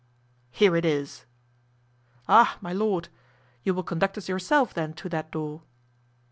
"Here it is." "Ah, my lord! You will conduct us yourself, then, to that door?"